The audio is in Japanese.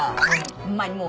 ホンマにもう。